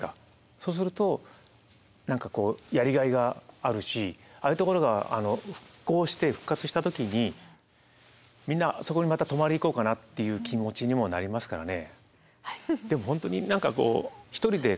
そうすると何かこうやりがいがあるしああいうところが復興して復活した時にみんなそこにまた泊まり行こうかなっていう気持ちにもなりますからね。